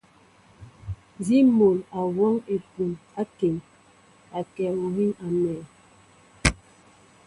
Nzi mol awɔŋ epum akiŋ, akɛ ohii amɛɛ.